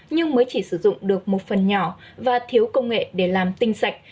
nhưng mới chỉ sử dụng được một phần nhỏ và thiếu công nghệ để làm tinh sạch